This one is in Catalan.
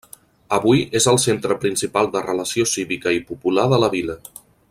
Avui és el centre principal de relació cívica i popular de la vila.